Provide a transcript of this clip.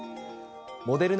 モデルナ